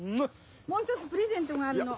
もう一つプレゼントがあるの。